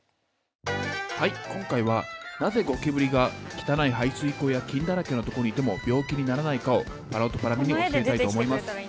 はい今回はなぜゴキブリが汚い排水溝や菌だらけのとこにいても病気にならないかをぱらおとぱらみに教えたいと思います。